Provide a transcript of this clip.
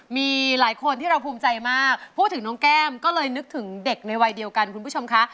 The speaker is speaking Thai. มีหลายคนที่เราภูมิใจมากพูดถึงน้องแก้มก็เลยนึกถึงเด็กในวัยเดียวกันคุณผู้ชมคะ